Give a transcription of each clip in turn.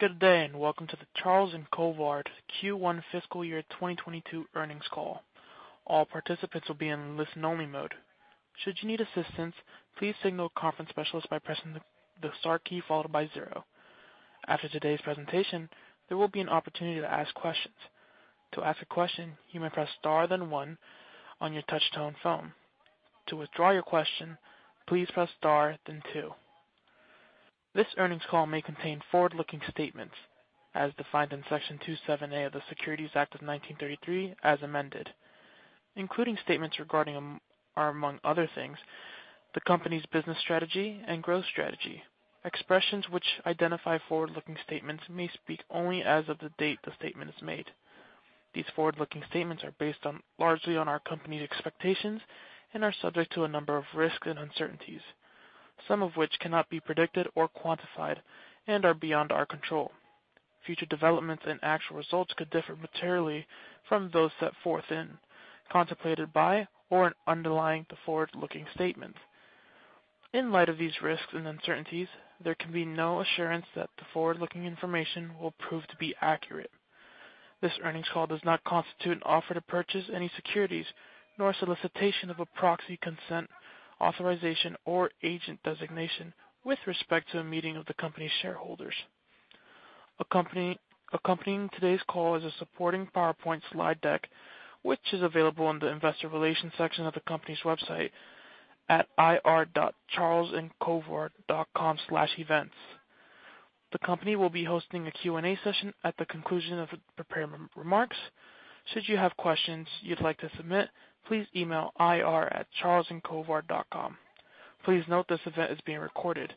Good day, and welcome to the Charles & Colvard Q1 FY 2022 Earnings Call. All participants will be in listen-only mode. Should you need assistance, please signal a conference specialist by pressing the star key followed by zero. After today's presentation, there will be an opportunity to ask questions. To ask a question, you may press star then one on your touch-tone phone. To withdraw your question, please press star then two. This earnings call may contain forward-looking statements as defined in Section 27A of the Securities Act of 1933 as amended, including statements regarding are among other things, the company's business strategy and growth strategy. Expressions which identify forward-looking statements may speak only as of the date the statement is made. These forward-looking statements are based largely on our company's expectations and are subject to a number of risks and uncertainties, some of which cannot be predicted or quantified and are beyond our control. Future developments and actual results could differ materially from those set forth in, contemplated by, or underlying the forward-looking statements. In light of these risks and uncertainties, there can be no assurance that the forward-looking information will prove to be accurate. This earnings call does not constitute an offer to purchase any securities, nor solicitation of a proxy consent, authorization, or agent designation with respect to the meeting of the company's shareholders. Accompanying today's call is a supporting PowerPoint slide deck, which is available on the investor relations section of the company's website at ir.charlesandcolvard.com/events. The company will be hosting a Q&A session at the conclusion of the prepared remarks. Should you have questions you'd like to submit, please email ir@charlesandcolvard.com. Please note this event is being recorded.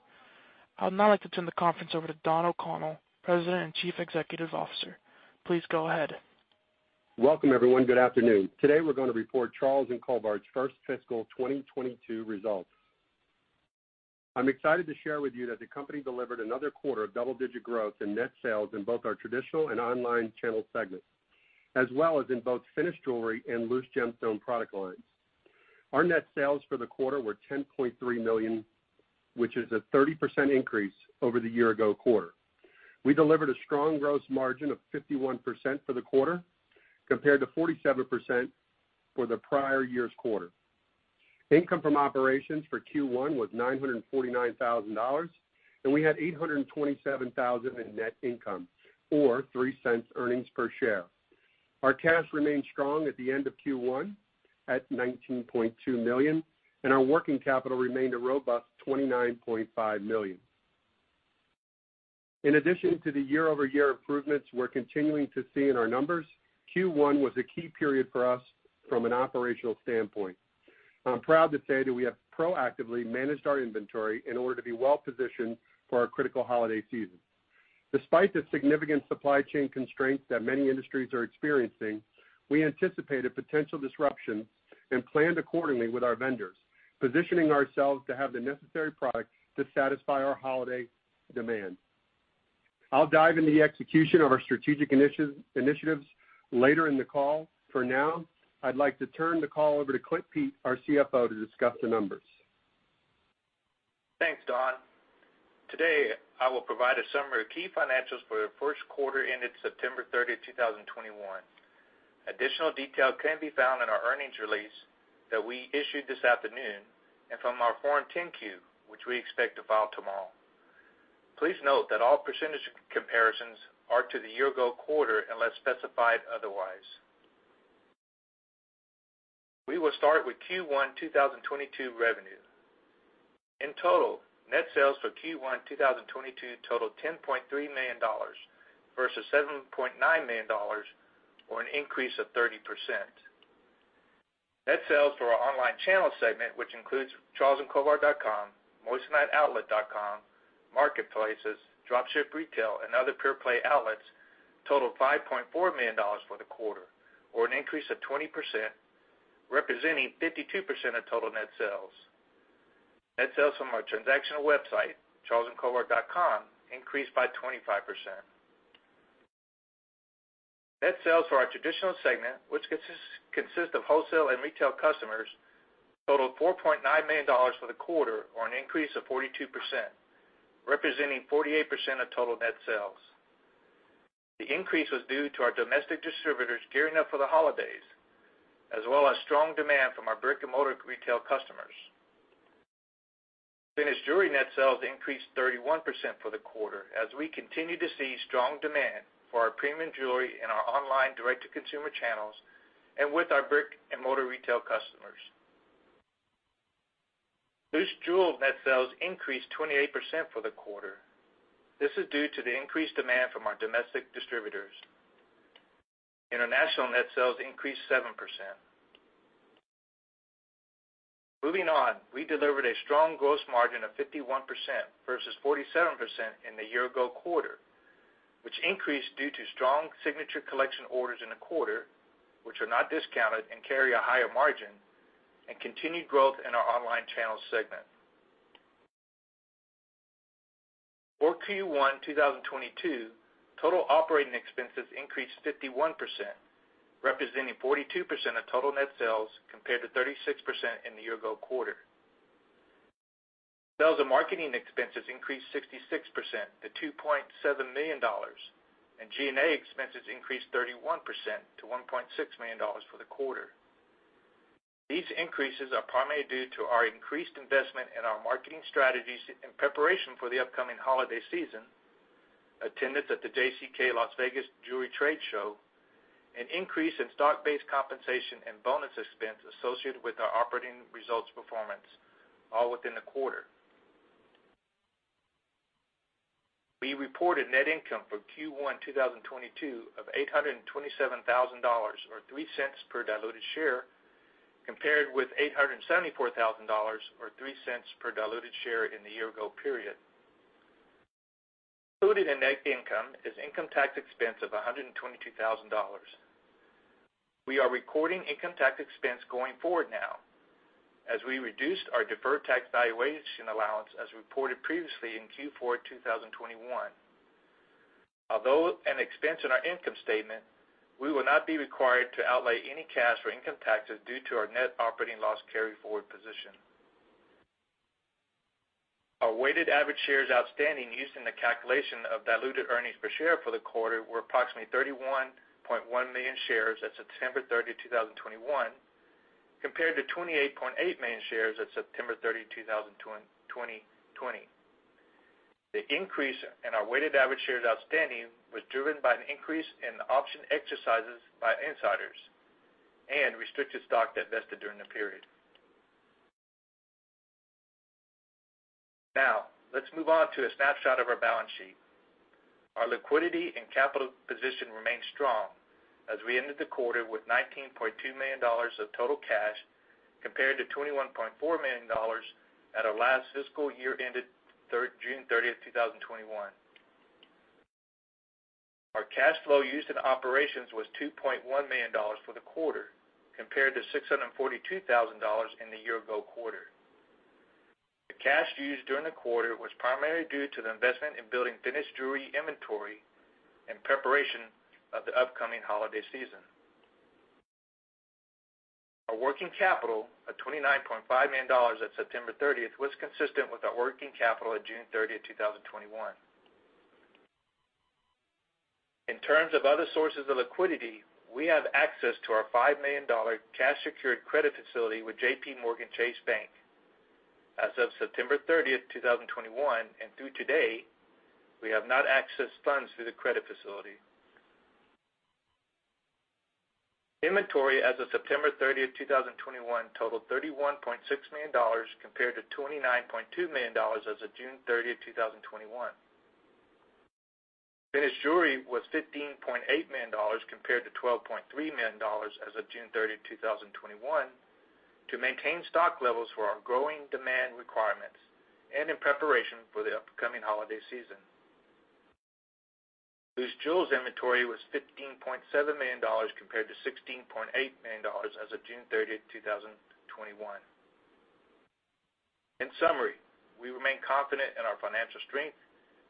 I would now like to turn the conference over to Don O'Connell, President and Chief Executive Officer. Please go ahead. Welcome, everyone. Good afternoon. Today, we're gonna report Charles & Colvard's first fiscal 2022 results. I'm excited to share with you that the company delivered another quarter of double-digit growth in net sales in both our traditional and online channel segments, as well as in both finished jewelry and loose gemstone product lines. Our net sales for the quarter were $10.3 million, which is a 30% increase over the year ago quarter. We delivered a strong gross margin of 51% for the quarter, compared to 47% for the prior-year's quarter. Income from operations for Q1 was $949,000, and we had $827,000 in net income or $0.03 earnings per share. Our cash remained strong at the end of Q1 at $19.2 million, and our working capital remained a robust $29.5 million. In addition to the year-over-year improvements we're continuing to see in our numbers, Q1 was a key period for us from an operational standpoint. I'm proud to say that we have proactively managed our inventory in order to be well-positioned for our critical holiday season. Despite the significant supply chain constraints that many industries are experiencing, we anticipate a potential disruption and planned accordingly with our vendors, positioning ourselves to have the necessary product to satisfy our holiday demand. I'll dive into the execution of our strategic initiatives later in the call. For now, I'd like to turn the call over to Clint Pete, our CFO, to discuss the numbers. Thanks, Don. Today, I will provide a summary of key financials for the first quarter ended September 30, 2021. Additional detail can be found in our earnings release that we issued this afternoon and from our Form 10-Q, which we expect to file tomorrow. Please note that all percentage comparisons are to the year-ago quarter unless specified otherwise. We will start with Q1 2022 revenue. In total, net sales for Q1 2022 totaled $10.3 million versus $7.9 million or an increase of 30%. Net sales for our online channel segment, which includes charlesandcolvard.com, moissaniteoutlet.com, marketplaces, dropship retail, and other pure-play outlets totaled $5.4 million for the quarter or an increase of 20%, representing 52% of total net sales. Net sales from our transactional website, charlesandcolvard.com, increased by 25%. Net sales for our traditional segment, which consist of wholesale and retail customers, totaled $4.9 million for the quarter or an increase of 42%, representing 48% of total net sales. The increase was due to our domestic distributors gearing up for the holidays, as well as strong demand from our brick-and-mortar retail customers. Finished jewelry net sales increased 31% for the quarter as we continue to see strong demand for our premium jewelry in our online direct-to-consumer channels and with our brick-and-mortar retail customers. Loose jewel net sales increased 28% for the quarter. This is due to the increased demand from our domestic distributors. International net sales increased 7%. Moving on, we delivered a strong gross margin of 51% versus 47% in the year-ago quarter, which increased due to strong Signature Collection orders in the quarter, which are not discounted and carry a higher margin and continued growth in our online channel segment. For Q1 2022, total operating expenses increased 51%, representing 42% of total net sales compared to 36% in the year-ago quarter. Sales and marketing expenses increased 66% to $2.7 million, and G&A expenses increased 31% to $1.6 million for the quarter. These increases are primarily due to our increased investment in our marketing strategies in preparation for the upcoming holiday season, attendance at the JCK Las Vegas jewelry trade show, an increase in stock-based compensation and bonus expense associated with our operating results performance, all within the quarter. We reported net income for Q1 2022 of $827 thousand, or $0.03 per diluted share, compared with $874 thousand, or $0.03 per diluted share in the year ago period. Included in net income is income tax expense of $122 thousand. We are recording income tax expense going forward now as we reduced our deferred tax valuation allowance as reported previously in Q4 2021. Although an expense in our income statement, we will not be required to outlay any cash for income taxes due to our net operating loss carryforward position. Our weighted average shares outstanding used in the calculation of diluted earnings per share for the quarter were approximately 31.1 million shares at September 30, 2021, compared to 28.8 million shares at September 30, 2020. The increase in our weighted average shares outstanding was driven by an increase in option exercises by insiders and restricted stock that vested during the period. Now, let's move on to a snapshot of our balance sheet. Our liquidity and capital position remain strong as we ended the quarter with $19.2 million of total cash compared to $21.4 million at our last fiscal year ended June 30, 2021. Our cash flow used in operations was $2.1 million for the quarter compared to $642,000 in the year ago quarter. The cash used during the quarter was primarily due to the investment in building finished jewelry inventory in preparation of the upcoming holiday season. Our working capital of $29.5 million at September 30 was consistent with our working capital at June 30, 2021. In terms of other sources of liquidity, we have access to our $5 million cash-secured credit facility with JPMorgan Chase Bank. As of September 30, 2021, and through today, we have not accessed funds through the credit facility. Inventory as of September 30, 2021 totaled $31.6 million compared to $29.2 million as of June 30, 2021. Finished jewelry was $15.8 million compared to $12.3 million as of June 30, 2021, to maintain stock levels for our growing demand requirements and in preparation for the upcoming holiday season. Loose jewels inventory was $15.7 million compared to $16.8 million as of June 30, 2021. In summary, we remain confident in our financial strength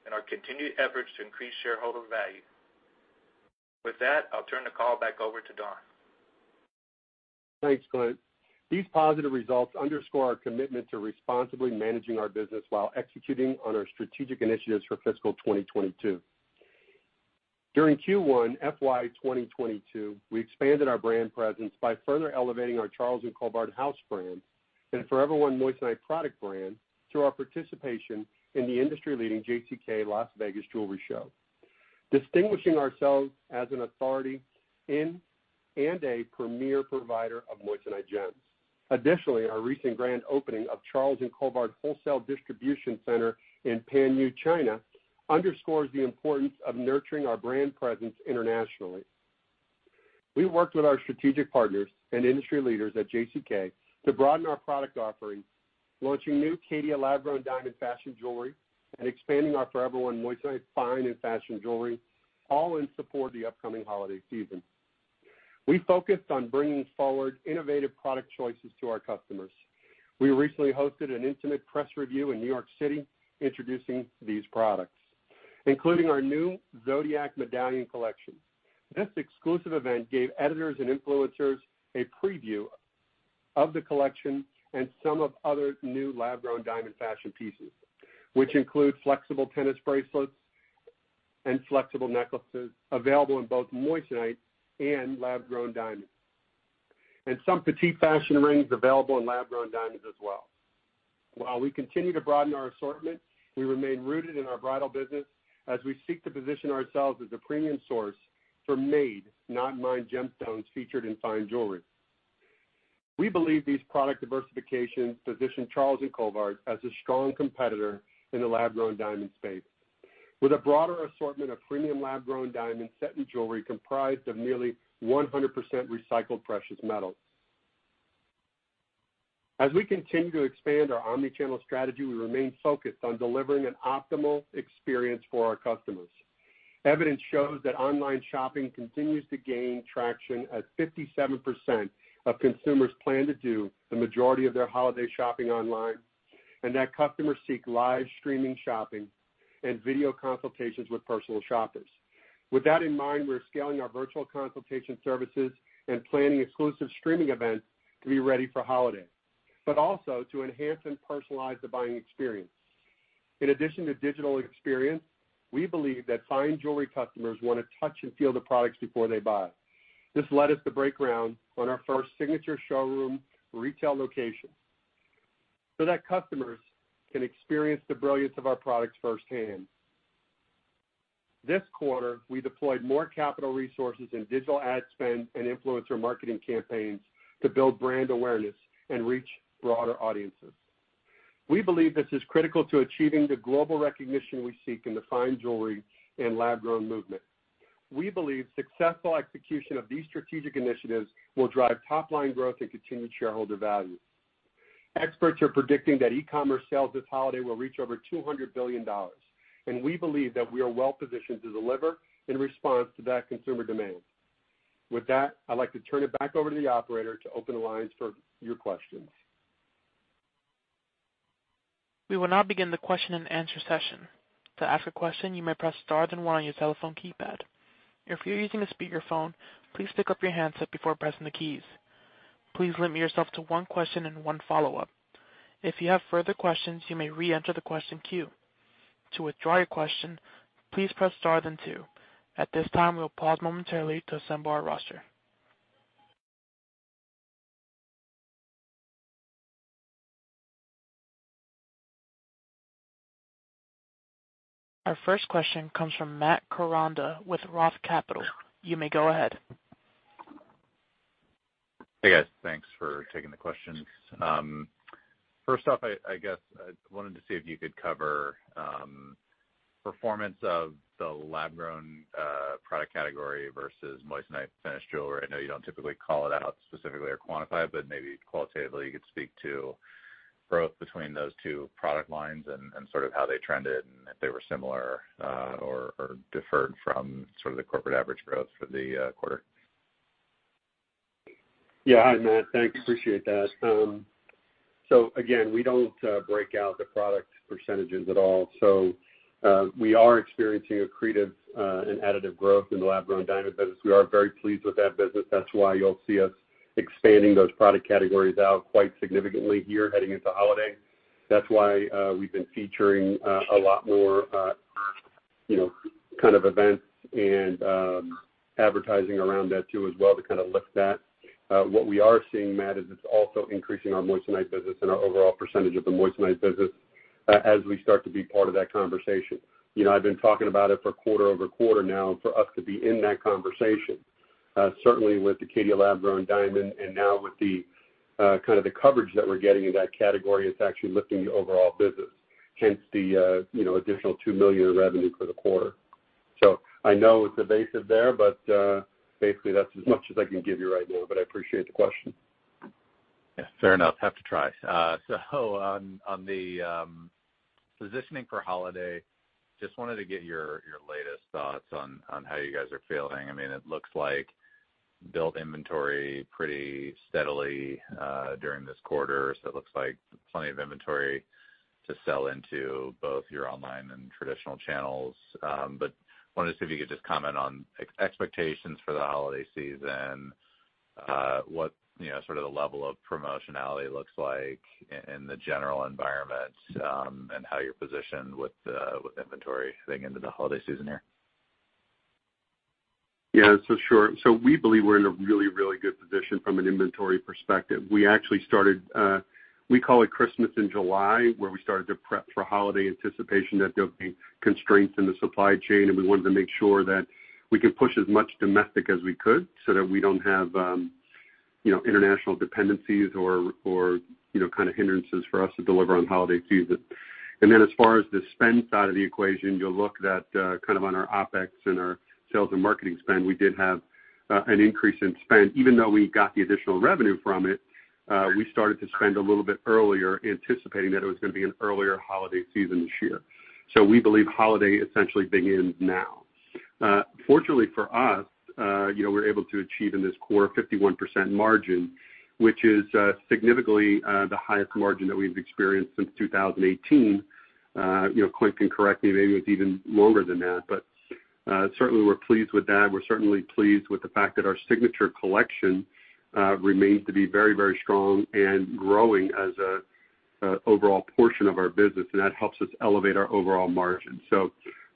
and our continued efforts to increase shareholder value. With that, I'll turn the call back over to Don. Thanks, Clint. These positive results underscore our commitment to responsibly managing our business while executing on our strategic initiatives for fiscal 2022. During Q1 FY 2022, we expanded our brand presence by further elevating our Charles & Colvard house brand and Forever One moissanite product brand through our participation in the industry-leading JCK Las Vegas Jewelry Show, distinguishing ourselves as an authority in and a premier provider of moissanite gems. Additionally, our recent grand opening of Charles & Colvard wholesale distribution center in Panyu, China underscores the importance of nurturing our brand presence internationally. We worked with our strategic partners and industry leaders at JCK to broaden our product offerings, launching new Caydia lab-grown diamond fashion jewelry, and expanding our Forever One moissanite fine and fashion jewelry, all in support of the upcoming holiday season. We focused on bringing forward innovative product choices to our customers. We recently hosted an intimate press review in New York City introducing these products, including our new Zodiac Collection. This exclusive event gave editors and influencers a preview of the collection and some of other new lab-grown diamond fashion pieces, which include flexible tennis bracelets and flexible necklaces available in both moissanite and lab-grown diamonds, and some petite fashion rings available in lab-grown diamonds as well. While we continue to broaden our assortment, we remain rooted in our bridal business as we seek to position ourselves as a premium source for made, not mined, gemstones featured in fine jewelry. We believe these product diversifications position Charles & Colvard as a strong competitor in the lab-grown diamond space with a broader assortment of premium lab-grown diamonds set in jewelry comprised of nearly 100% recycled precious metals. As we continue to expand our omni-channel strategy, we remain focused on delivering an optimal experience for our customers. Evidence shows that online shopping continues to gain traction as 57% of consumers plan to do the majority of their holiday shopping online, and that customers seek live streaming shopping and video consultations with personal shoppers. With that in mind, we're scaling our virtual consultation services and planning exclusive streaming events to be ready for holiday, but also to enhance and personalize the buying experience. In addition to digital experience, we believe that fine jewelry customers wanna touch and feel the products before they buy. This led us to break ground on our first signature showroom retail location so that customers can experience the brilliance of our products firsthand. This quarter, we deployed more capital resources in digital ad spend and influencer marketing campaigns to build brand awareness and reach broader audiences. We believe this is critical to achieving the global recognition we seek in the fine jewelry and lab-grown movement. We believe successful execution of these strategic initiatives will drive top-line growth and continued shareholder value. Experts are predicting that e-commerce sales this holiday will reach over $200 billion, and we believe that we are well-positioned to deliver in response to that consumer demand. With that, I'd like to turn it back over to the operator to open the lines for your questions. We will now begin the question-and-answer session. To ask a question, you may press star then one on your telephone keypad. If you're using a speakerphone, please pick up your handset before pressing the keys. Please limit yourself to one question and one follow-up. If you have further questions, you may reenter the question queue. To withdraw your question, please press star then two. At this time, we'll pause momentarily to assemble our roster. Our first question comes from Matt Koranda with Roth Capital. You may go ahead. Hey, guys. Thanks for taking the questions. First off, I guess I wanted to see if you could cover performance of the lab-grown product category versus moissanite finished jewelry. I know you don't typically call it out specifically or quantify, but maybe qualitatively you could speak to growth between those two product lines and sort of how they trended and if they were similar or differed from sort of the corporate average growth for the quarter. Yeah. Hi, Matt. Thanks. I appreciate that. Again, we don't break out the product percentages at all. We are experiencing accretive and additive growth in the lab-grown diamond business. We are very pleased with that business. That's why you'll see us expanding those product categories out quite significantly here heading into holiday. That's why we've been featuring a lot more, you know, kind of events and advertising around that too as well to kinda lift that. What we are seeing, Matt, is it's also increasing our moissanite business and our overall percentage of the moissanite business as we start to be part of that conversation. You know, I've been talking about it for quarter over quarter now for us to be in that conversation, certainly with the Caydia lab-grown diamond, and now with the kind of the coverage that we're getting in that category. It's actually lifting the overall business, hence the you know, additional $2 million in revenue for the quarter. So I know it's evasive there, but basically that's as much as I can give you right now, but I appreciate the question. Yeah. Fair enough. Have to try. On the positioning for holiday, just wanted to get your latest thoughts on how you guys are feeling. I mean, it looks like you built inventory pretty steadily during this quarter. It looks like plenty of inventory to sell into both your online and traditional channels. Wanted to see if you could just comment on expectations for the holiday season, what you know sort of the level of promotionality looks like in the general environment, and how you're positioned with inventory heading into the holiday season here. Yeah. Sure. We believe we're in a really, really good position from an inventory perspective. We actually started, we call it Christmas in July, where we started to prep for holiday anticipation that there'll be constraints in the supply chain, and we wanted to make sure that we can push as much domestic as we could so that we don't have, you know, international dependencies or, you know, kind of hindrances for us to deliver on holiday season. As far as the spend side of the equation, you'll see that, kind of on our OpEx and our sales and marketing spend, we did have an increase in spend. Even though we got the additional revenue from it, we started to spend a little bit earlier anticipating that it was gonna be an earlier holiday season this year. We believe holiday essentially begins now. Fortunately for us, you know, we're able to achieve in this core 51% margin, which is significantly the highest margin that we've experienced since 2018. You know, Clint can correct me, maybe it was even longer than that. Certainly we're pleased with that. We're certainly pleased with the fact that our Signature Collection remains to be very, very strong and growing as a overall portion of our business, and that helps us elevate our overall margin.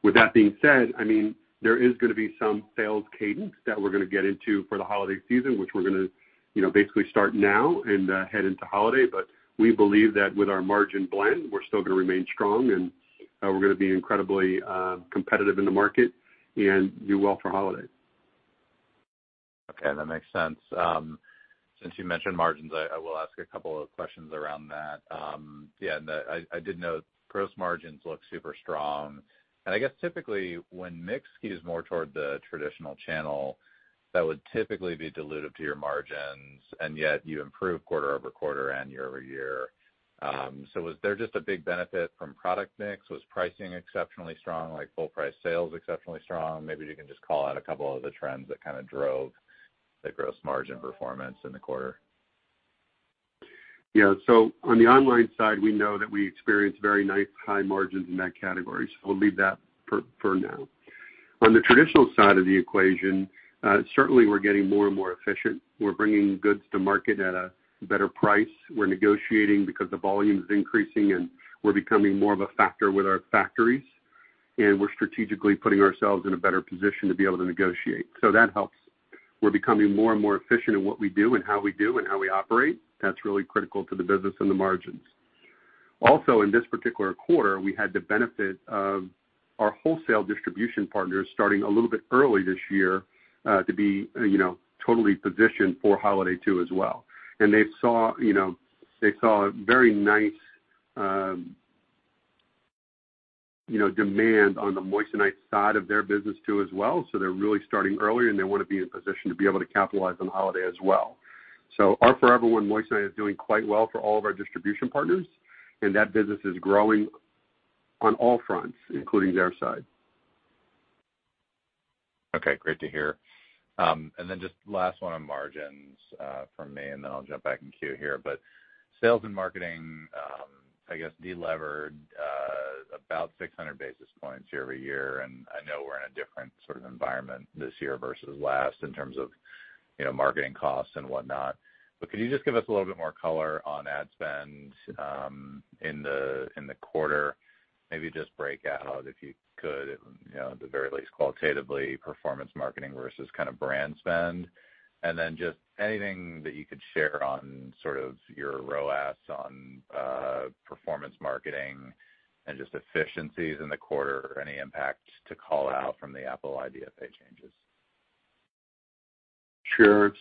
With that being said, I mean, there is gonna be some sales cadence that we're gonna get into for the holiday season, which we're gonna, you know, basically start now and head into holiday. We believe that with our margin blend, we're still gonna remain strong, and we're gonna be incredibly competitive in the market and do well for holiday. Okay, that makes sense. Since you mentioned margins, I will ask a couple of questions around that. Yeah, I did note gross margins look super strong. I guess typically, when mix skews more toward the traditional channel, that would typically be dilutive to your margins, and yet you improve quarter-over-quarter and year-over-year. Was there just a big benefit from product mix? Was pricing exceptionally strong, like full price sales exceptionally strong? Maybe you can just call out a couple of the trends that kinda drove the gross margin performance in the quarter. Yeah. On the online side, we know that we experience very nice high margins in that category, so I'll leave that for now. On the traditional side of the equation, certainly we're getting more and more efficient. We're bringing goods to market at a better price. We're negotiating because the volume is increasing, and we're becoming more of a factor with our factories, and we're strategically putting ourselves in a better position to be able to negotiate. That helps. We're becoming more and more efficient in what we do and how we do and how we operate. That's really critical to the business and the margins. Also, in this particular quarter, we had the benefit of our wholesale distribution partners starting a little bit early this year to be, you know, totally positioned for holiday too as well. They saw, you know, a very nice, you know, demand on the moissanite side of their business too as well, so they're really starting early, and they wanna be in a position to be able to capitalize on the holiday as well. Our Forever One moissanite is doing quite well for all of our distribution partners, and that business is growing on all fronts, including their side. Okay, great to hear. Just last one on margins, from me, and then I'll jump back in queue here. Sales and marketing, I guess de-levered, about 600 basis points year-over-year, and I know we're in a different sort of environment this year versus last in terms of, you know, marketing costs and whatnot. Could you just give us a little bit more color on ad spend, in the quarter? Maybe just break out, if you could, you know, at the very least qualitatively, performance marketing versus kind of brand spend. Just anything that you could share on sort of your ROAS on performance marketing and just efficiencies in the quarter or any impact to call out from the Apple IDFA changes. Sure.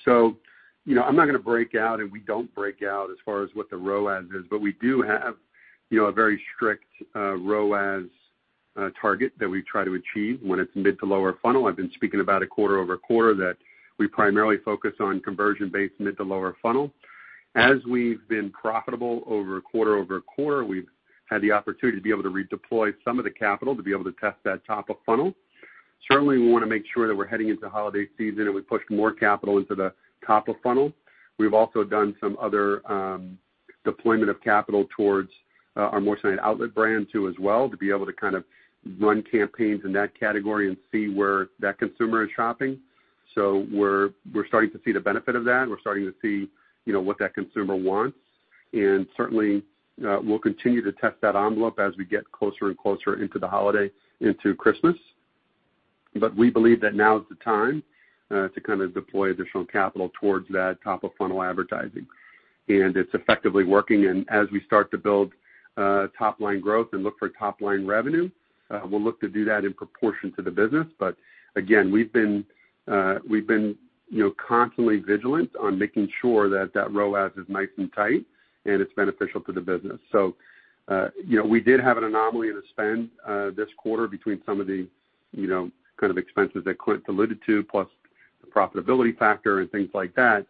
You know, I'm not gonna break out, and we don't break out as far as what the ROAS is, but we do have, you know, a very strict ROAS target that we try to achieve when it's mid to lower funnel. I've been speaking about it quarter-over-quarter that we primarily focus on conversion-based mid to lower funnel. As we've been profitable over quarter-over-quarter, we've had the opportunity to be able to redeploy some of the capital to be able to test that top of funnel. Certainly, we wanna make sure that we're heading into holiday season, and we push more capital into the top of funnel. We've also done some other deployment of capital towards our Moissanite Outlet brand too as well, to be able to kind of run campaigns in that category and see where that consumer is shopping. We're starting to see the benefit of that. We're starting to see, you know, what that consumer wants. Certainly, we'll continue to test that envelope as we get closer and closer into the holiday into Christmas. We believe that now is the time to kind of deploy additional capital towards that top-of-funnel advertising. It's effectively working. As we start to build top-line growth and look for top-line revenue, we'll look to do that in proportion to the business. Again, we've been, you know, constantly vigilant on making sure that that ROAS is nice and tight, and it's beneficial to the business. You know, we did have an anomaly in the spend this quarter between some of the, you know, kind of expenses that Clint alluded to, plus the profitability factor and things like that.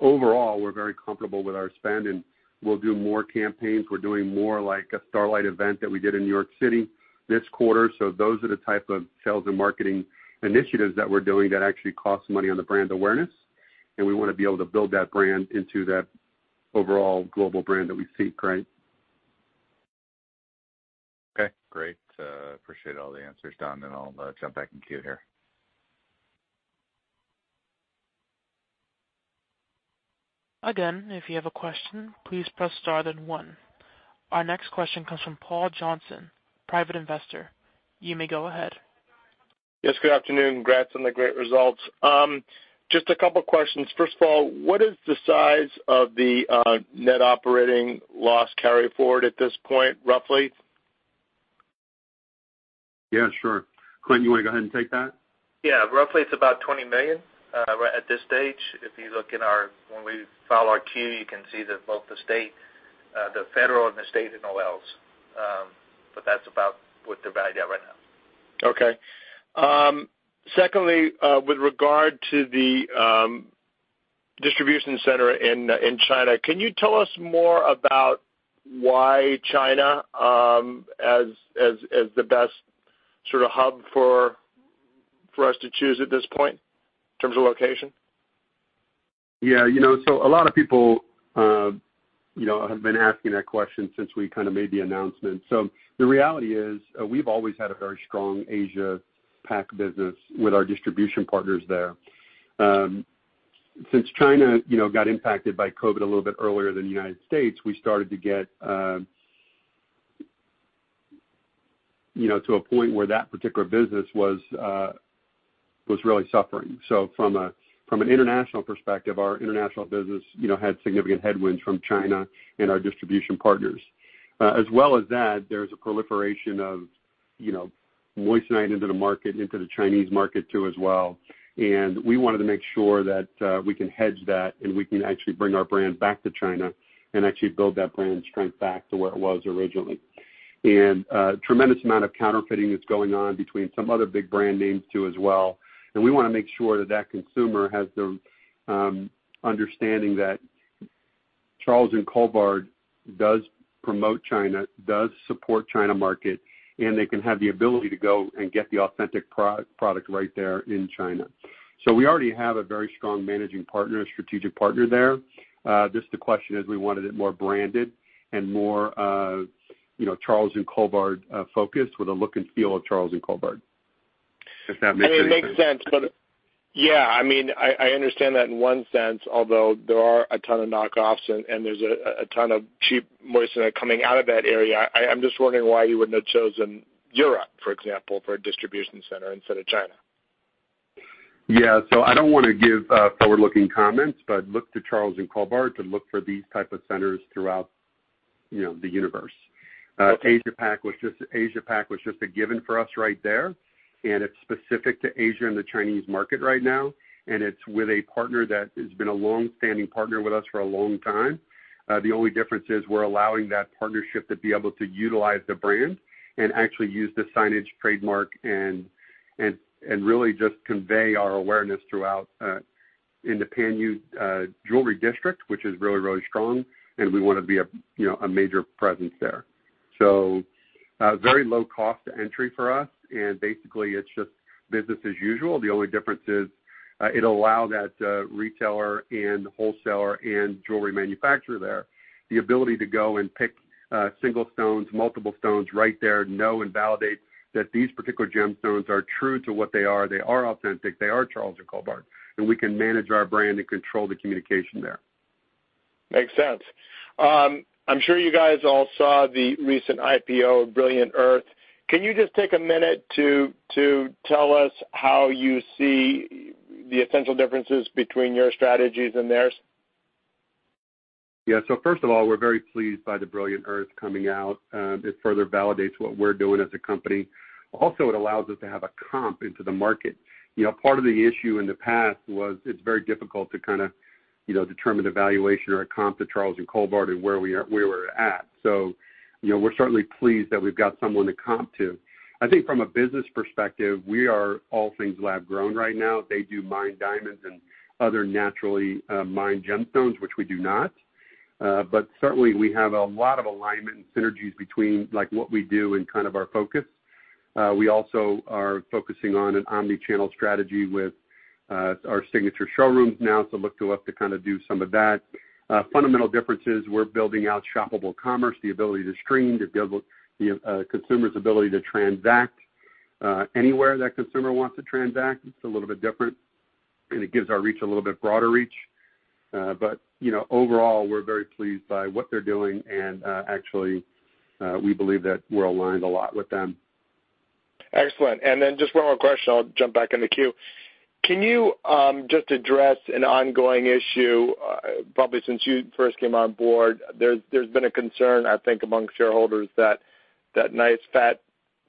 Overall, we're very comfortable with our spend, and we'll do more campaigns. We're doing more like a Starlight event that we did in New York City this quarter. Those are the type of sales and marketing initiatives that we're doing that actually cost money on the brand awareness, and we wanna be able to build that brand into that overall global brand that we seek, right? Okay, great. Appreciate all the answers, Don, and I'll jump back in queue here. Again, if you have a question, please press star then one. Our next question comes from Paul Johnson, Private Investor. You may go ahead. Yes, good afternoon. Congrats on the great results. Just a couple questions. First of all, what is the size of the net operating loss carry forward at this point, roughly? Yeah, sure. Clint, you wanna go ahead and take that? Yeah. Roughly it's about $20 million at this stage. If you look in our—when we file our Q, you can see that both the federal and the state NOLs. But that's about what the value there right now. Okay. Secondly, with regard to the distribution center in China, can you tell us more about why China as the best sort of hub for us to choose at this point in terms of location? Yeah. You know, so a lot of people, you know, have been asking that question since we kinda made the announcement. The reality is, we've always had a very strong Asia-Pacific business with our distribution partners there. Since China, you know, got impacted by COVID a little bit earlier than the United States, we started to get, you know, to a point where that particular business was really suffering. From an international perspective, our international business, you know, had significant headwinds from China and our distribution partners. As well as that, there's a proliferation of, you know, moissanite into the market, into the Chinese market too as well. We wanted to make sure that we can hedge that, and we can actually bring our brand back to China and actually build that brand strength back to where it was originally. Tremendous amount of counterfeiting that's going on between some other big brand names too as well, and we wanna make sure that that consumer has the understanding that Charles & Colvard does promote China, does support China market, and they can have the ability to go and get the authentic product right there in China. We already have a very strong managing partner, a strategic partner there. Just the question is we wanted it more branded and more, you know, Charles & Colvard focused with a look and feel of Charles & Colvard. If that makes any sense. I mean, it makes sense. Yeah, I mean, I understand that in one sense, although there are a ton of knockoffs and there's a ton of cheap moissanite coming out of that area. I'm just wondering why you wouldn't have chosen Europe, for example, for a distribution center instead of China. Yeah. I don't wanna give forward-looking comments. Look to Charles & Colvard to look for these type of centers throughout, you know, the universe. Asia Pac was just a given for us right there, and it's specific to Asia and the Chinese market right now, and it's with a partner that has been a long-standing partner with us for a long time. The only difference is we're allowing that partnership to be able to utilize the brand and actually use the signage trademark and really just convey our awareness throughout in the Panyu jewelry district, which is really, really strong, and we wanna be a, you know, a major presence there. Very low cost to entry for us and basically, it's just business as usual. The only difference is, it'll allow that retailer and wholesaler and jewelry manufacturer there, the ability to go and pick single stones, multiple stones right there, know and validate that these particular gemstones are true to what they are. They are authentic. They are Charles & Colvard, and we can manage our brand and control the communication there. Makes sense. I'm sure you guys all saw the recent IPO of Brilliant Earth. Can you just take a minute to tell us how you see the essential differences between your strategies and theirs? Yeah. First of all, we're very pleased by the Brilliant Earth coming out. It further validates what we're doing as a company. Also, it allows us to have a comp into the market. You know, part of the issue in the past was it's very difficult to kinda, you know, determine a valuation or a comp to Charles & Colvard and where we're at. We're certainly pleased that we've got someone to comp to. I think from a business perspective, we are all things lab-grown right now. They do mined diamonds and other naturally mined gemstones, which we do not. But certainly, we have a lot of alignment and synergies between, like, what we do and kind of our focus. We also are focusing on an omnichannel strategy with our signature showrooms now. Look to us to kinda do some of that. Fundamental differences, we're building out shoppable commerce, the ability to stream, the consumer's ability to transact anywhere the consumer wants to transact. It's a little bit different, and it gives our reach a little bit broader reach. You know, overall, we're very pleased by what they're doing, and actually, we believe that we're aligned a lot with them. Excellent. Just one more question, I'll jump back in the queue. Can you just address an ongoing issue, probably since you first came on board, there's been a concern, I think, among shareholders that nice fat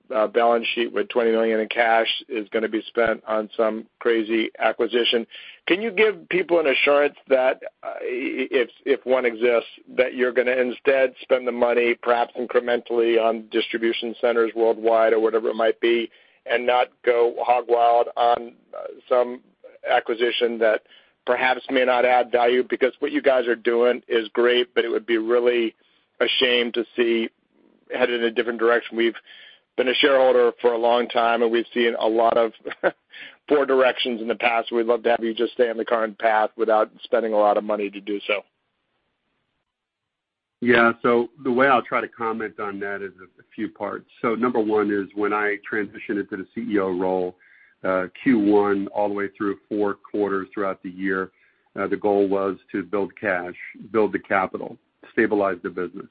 balance sheet with $20 million in cash is gonna be spent on some crazy acquisition. Can you give people an assurance that, if one exists, that you're gonna instead spend the money perhaps incrementally on distribution centers worldwide or whatever it might be, and not go hog wild on some acquisition that perhaps may not add value? Because what you guys are doing is great, but it would be really a shame to see headed in a different direction. We've been a shareholder for a long time, and we've seen a lot of poor directions in the past. We'd love to have you just stay on the current path without spending a lot of money to do so. Yeah. The way I'll try to comment on that is a few parts. Number one is when I transitioned into the CEO role, Q1 all the way through four quarters throughout the year, the goal was to build cash, build the capital, stabilize the business.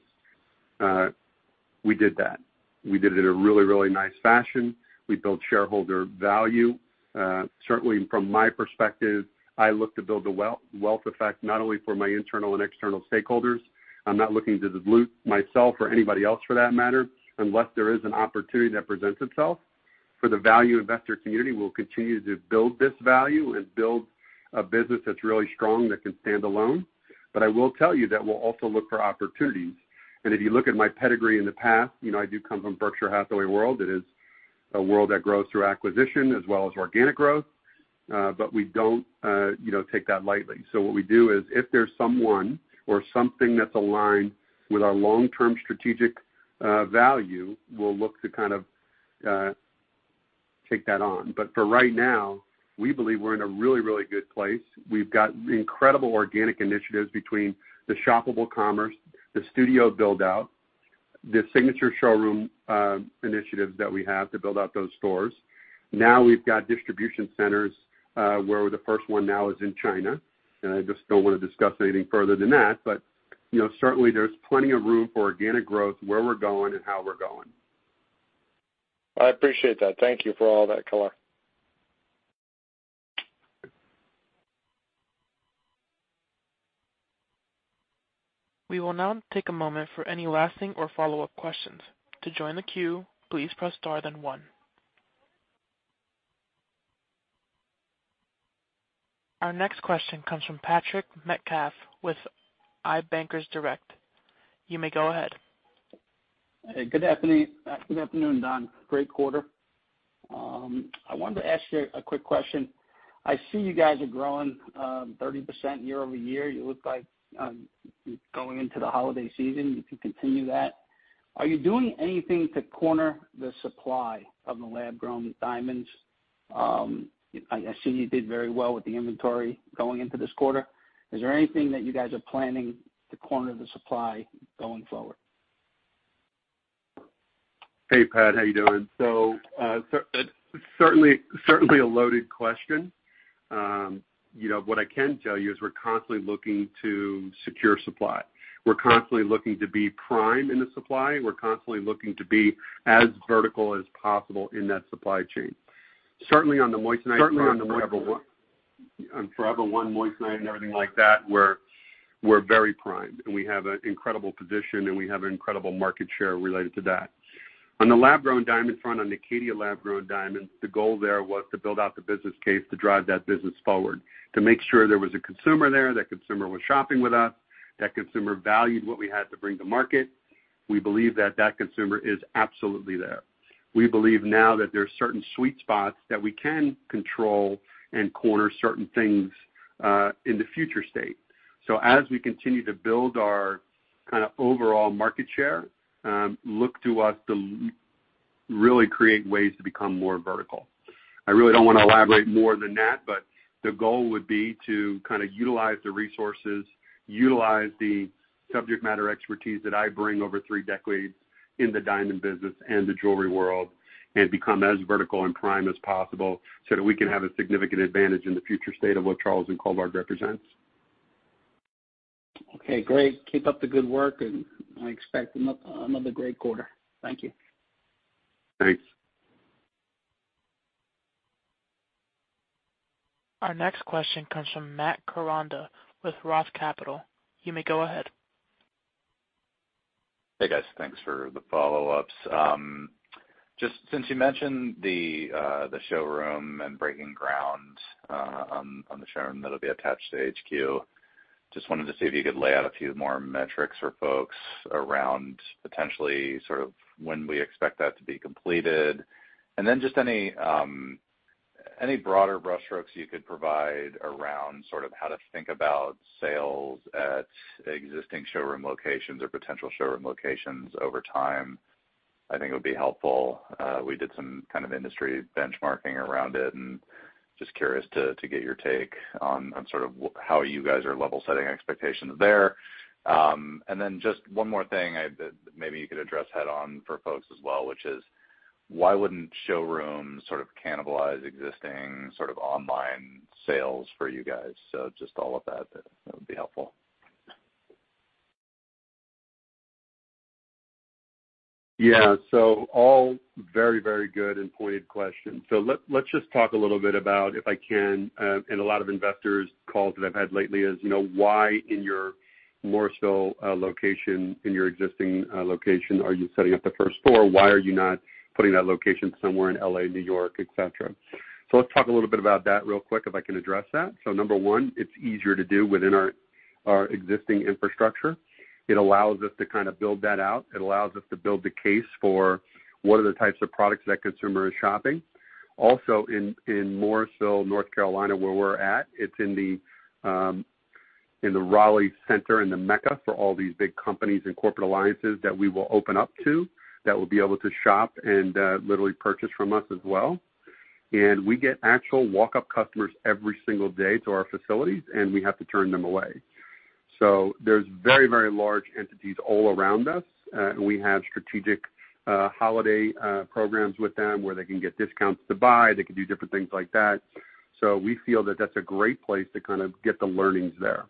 We did that. We did it in a really, really nice fashion. We built shareholder value. Certainly from my perspective, I look to build a wealth effect, not only for my internal and external stakeholders. I'm not looking to dilute myself or anybody else for that matter, unless there is an opportunity that presents itself. For the value investor community, we'll continue to build this value and build a business that's really strong, that can stand alone. I will tell you that we'll also look for opportunities. If you look at my pedigree in the past, you know I do come from Berkshire Hathaway world. It is a world that grows through acquisition as well as organic growth. We don't, you know, take that lightly. What we do is if there's someone or something that's aligned with our long-term strategic value, we'll look to kind of take that on. For right now, we believe we're in a really, really good place. We've got incredible organic initiatives between the shoppable commerce, the studio build-out, the Signature showroom, initiatives that we have to build out those stores. Now we've got distribution centers, where the first one now is in China. I just don't wanna discuss anything further than that, but, you know, certainly there's plenty of room for organic growth where we're going and how we're going. I appreciate that. Thank you for all that color. We will now take a moment for any lasting or follow-up questions. To join the queue, please press Star then One. Our next question comes from Patrick Metcalf with I-Bankers Direct. You may go ahead. Hey, good afternoon. Good afternoon, Don. Great quarter. I wanted to ask you a quick question. I see you guys are growing 30% year-over-year. You look like going into the holiday season, you can continue that. Are you doing anything to corner the supply of the lab-grown diamonds? I see you did very well with the inventory going into this quarter. Is there anything that you guys are planning to corner the supply going forward? Hey, Pat, how you doing? Certainly a loaded question. You know, what I can tell you is we're constantly looking to secure supply. We're constantly looking to be prime in the supply. We're constantly looking to be as vertical as possible in that supply chain. Certainly on the moissanite front, for Forever One, for Forever One moissanite and everything like that, we're very primed, and we have an incredible position, and we have an incredible market share related to that. On the lab-grown diamond front, on the Caydia lab-grown diamonds, the goal there was to build out the business case to drive that business forward, to make sure there was a consumer there, that consumer was shopping with us, that consumer valued what we had to bring to market. We believe that consumer is absolutely there. We believe now that there are certain sweet spots that we can control and corner certain things in the future state. As we continue to build our kind of overall market share, look to us to really create ways to become more vertical. I really don't wanna elaborate more than that, but the goal would be to kinda utilize the resources, utilize the subject matter expertise that I bring over three decades in the diamond business and the jewelry world and become as vertical and prime as possible so that we can have a significant advantage in the future state of what Charles & Colvard represents. Okay, great. Keep up the good work, and I expect another great quarter. Thank you. Thanks. Our next question comes from Matt Koranda with Roth Capital Partners. You may go ahead. Hey, guys. Thanks for the follow-ups. Just since you mentioned the showroom and breaking ground on the showroom that'll be attached to HQ, just wanted to see if you could lay out a few more metrics for folks around potentially sort of when we expect that to be completed. Then just any broader brushstrokes you could provide around sort of how to think about sales at existing showroom locations or potential showroom locations over time, I think it would be helpful. We did some kind of industry benchmarking around it and just curious to get your take on how you guys are level setting expectations there. Just one more thing that maybe you could address head on for folks as well, which is why wouldn't showrooms sort of cannibalize existing sort of online sales for you guys? Just all of that would be helpful. Yeah. All very, very good and pointed questions. Let's just talk a little bit about, if I can, and a lot of investor calls that I've had lately is why in your Mooresville location, in your existing location, are you setting up the first store? Why are you not putting that location somewhere in L.A., New York, et cetera? Let's talk a little bit about that real quick, if I can address that. Number one, it's easier to do within our existing infrastructure. It allows us to kind of build that out. It allows us to build the case for what are the types of products that consumer is shopping. In Mooresville, North Carolina, where we're at, it's in the Raleigh area, in the mecca for all these big companies and corporate alliances that we will open up to, that will be able to shop and literally purchase from us as well. We get actual walk-up customers every single day to our facilities, and we have to turn them away. There's very, very large entities all around us, and we have strategic holiday programs with them where they can get discounts to buy, they can do different things like that. We feel that that's a great place to kind of get the learnings there.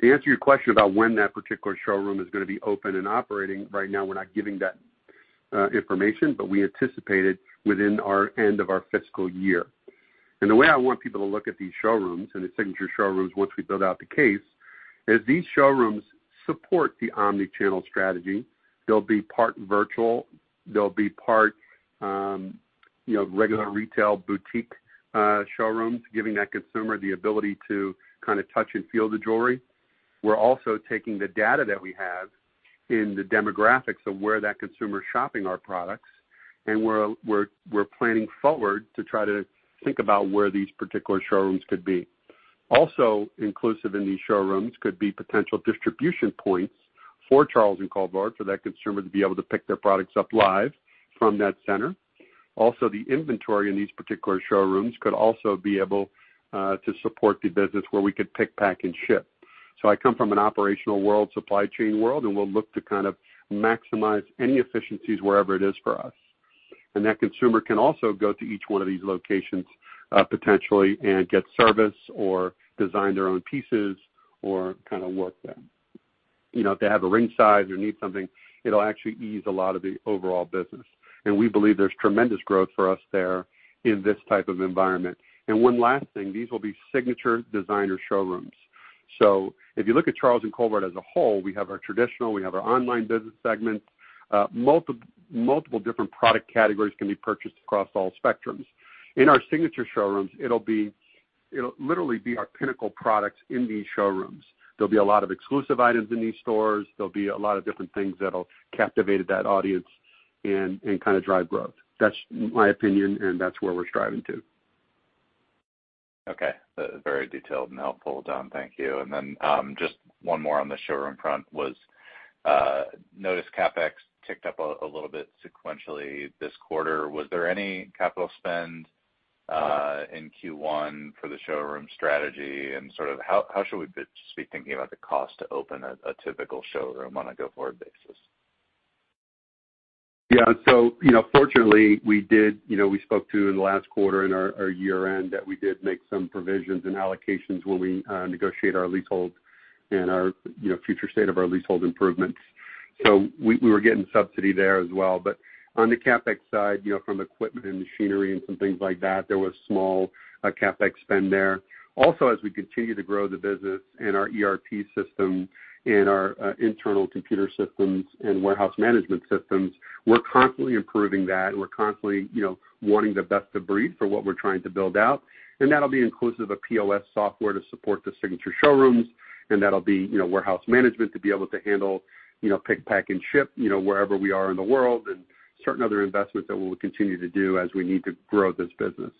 To answer your question about when that particular showroom is gonna be open and operating, right now we're not giving that information, but we anticipate it within our end of our fiscal year. The way I want people to look at these showrooms and the Signature showrooms once we build out the case, is these showrooms support the omni-channel strategy. They'll be part virtual. They'll be part, you know, regular retail boutique showrooms, giving that consumer the ability to kind of touch and feel the jewelry. We're also taking the data that we have in the demographics of where that consumer is shopping our products, and we're planning forward to try to think about where these particular showrooms could be. Also inclusive in these showrooms could be potential distribution points for Charles & Colvard for that consumer to be able to pick their products up live from that center. Also, the inventory in these particular showrooms could also be able to support the business where we could pick, pack, and ship. I come from an operational world, supply chain world, and we'll look to kind of maximize any efficiencies wherever it is for us. That consumer can also go to each one of these locations, potentially and get service or design their own pieces or kinda work them. You know, if they have a ring size or need something, it'll actually ease a lot of the overall business. We believe there's tremendous growth for us there in this type of environment. One last thing, these will be Signature Designer Showrooms. If you look at Charles & Colvard as a whole, we have our traditional, we have our online business segments, multiple different product categories can be purchased across all spectrums. In our signature showrooms, it'll literally be our pinnacle products in these showrooms. There'll be a lot of exclusive items in these stores. There'll be a lot of different things that'll captivate that audience and kinda drive growth. That's my opinion, and that's where we're striving to. Okay. Very detailed and helpful, Don. Thank you. Just one more on the showroom front. I noticed CapEx ticked up a little bit sequentially this quarter. Was there any capital spend in Q1 for the showroom strategy? Sort of how should we be thinking about the cost to open a typical showroom on a go-forward basis? Yeah. You know, fortunately, we did, you know, we spoke to in the last quarter in our year-end that we did make some provisions and allocations when we negotiate our leasehold and our future state of our leasehold improvements. We were getting subsidy there as well. On the CapEx side, you know, from equipment and machinery and some things like that, there was small CapEx spend there. Also, as we continue to grow the business and our ERP system and our Internal Computer Systems and Warehouse Management Systems, we're constantly improving that. We're constantly, you know, wanting the best of breed for what we're trying to build out, and that'll be inclusive of POS software to support the signature showrooms, and that'll be, you know, warehouse management to be able to handle, you know, pick, pack, and ship, you know, wherever we are in the world, and certain other investments that we'll continue to do as we need to grow this business.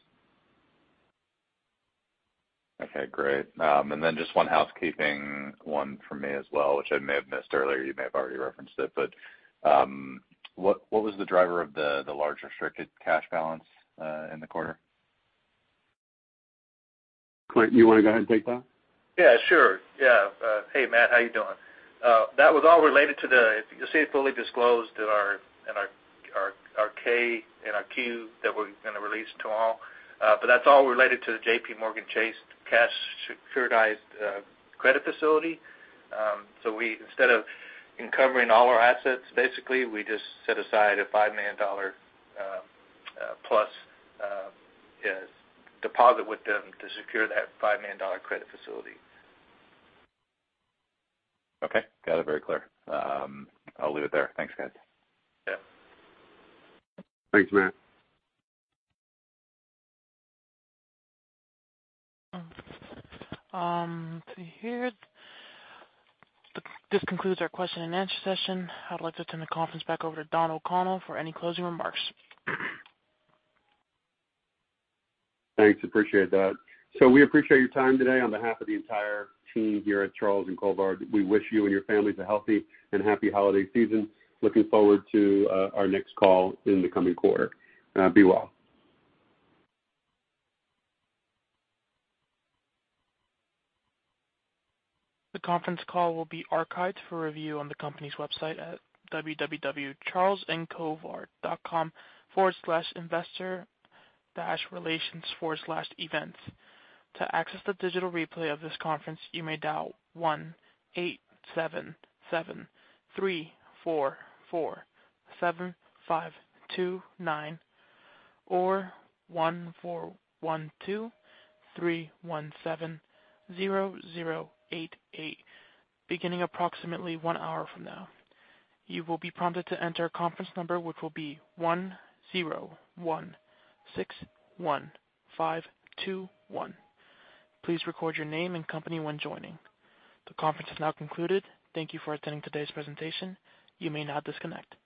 Okay, great. Then just one housekeeping one for me as well, which I may have missed earlier, you may have already referenced it. What was the driver of the large restricted cash balance in the quarter? Clint, you wanna go ahead and take that? Yeah, sure. Yeah. Hey, Matt. How you doing? That was all related to the—you'll see it fully disclosed in our 10-K and our 10-Q that we're gonna release tomorrow. But that's all related to the JPMorgan Chase cash-securitized credit facility. So we instead of encumbering all our assets, basically, we just set aside a $5 million-plus deposit with them to secure that $5 million credit facility. Okay. Got it. Very clear. I'll leave it there. Thanks, guys. Yeah. Thanks, Matt. This concludes our question and answer session. I'd like to turn the conference back over to Don O'Connell for any closing remarks. Thanks. Appreciate that. We appreciate your time today. On behalf of the entire team here at Charles & Colvard, we wish you and your families a healthy and happy holiday season. Looking forward to our next call in the coming quarter. Be well. The conference call will be archived for review on the company's website at www.charlesandcolvard.com/investor-relations/events. To access the digital replay of this conference, you may dial 1-877-344-7529 or 1-412-317-0088, beginning approximately one hour from now. You will be prompted to enter a conference number, which will be 1016521. Please record your name and company when joining. The conference has now concluded. Thank you for attending today's presentation. You may now disconnect.